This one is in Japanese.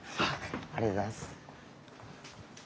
ありがとうございます。